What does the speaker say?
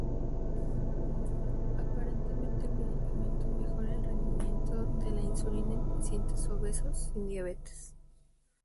Aparentemente el medicamento mejora el rendimiento de la insulina en pacientes obesos sin diabetes.